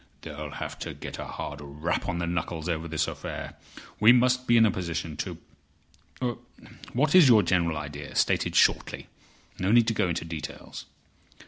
"They'll have to get a hard rap on the knuckles over this affair. We must be in a position to—What is your general idea, stated shortly? No need to go into details."